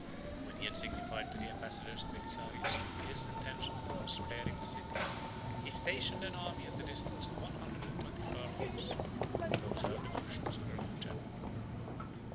When he had signified to the ambassadors of Belisarius his intention of sparing the city, he stationed an army at the distance of one hundred and twenty furlongs, to observe the motions of the Roman general.